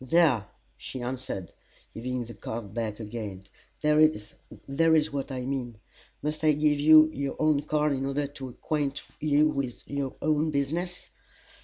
"There!" she answered, giving the card back again, "there is what I mean! Must I give you your own card in order to acquaint you with your own business?"